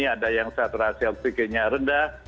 ada yang saturasi oksigennya rendah